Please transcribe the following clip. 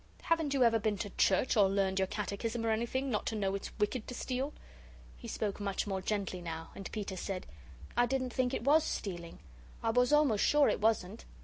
Haven't you ever been to church or learned your catechism or anything, not to know it's wicked to steal?" He spoke much more gently now, and Peter said: "I didn't think it was stealing. I was almost sure it wasn't.